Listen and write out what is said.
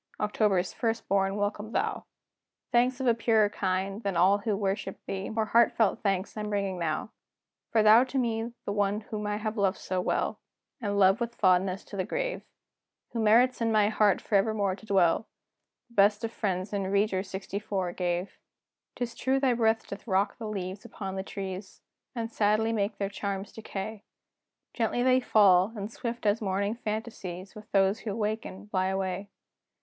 October's first born, welcome thou! Thanks of a purer kind, than all who worship thee, More heartfelt thanks I'm bringing now! For thou to me the one whom I have loved so well, And love with fondness to the grave, Who merits in my heart forevermore to dwell, The best of friends in Rieger gave. 'Tis true thy breath doth rock the leaves upon the trees, And sadly make their charms decay; Gently they fall: and swift, as morning phantasies With those who waken, fly away.